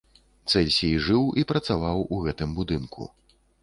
Цэльсій жыў і працаваў у гэтым будынку.